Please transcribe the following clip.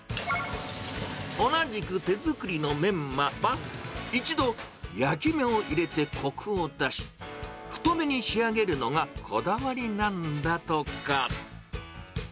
同じく手作りのメンマは、一度、焼き目を入れてこくを出し、太めに仕上げるのが、こだわりなんだとか。